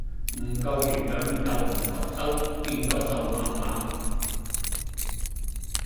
唔夠營養又唔吸收變左瘦猛猛